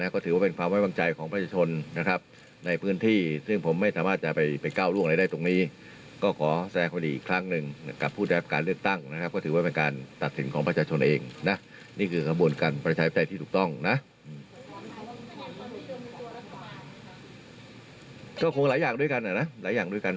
ก็คงหลายอย่างด้วยกันนะหลายอย่างด้วยกัน